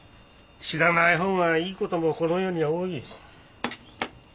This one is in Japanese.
知らないほうがいいこともこの世には多い。